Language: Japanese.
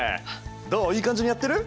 どういい感じにやってる？